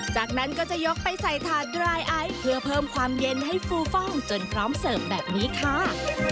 จากนั้นก็จะยกไปใส่ถาดดรายไอซ์เพื่อเพิ่มความเย็นให้ฟูฟ่องจนพร้อมเสิร์ฟแบบนี้ค่ะ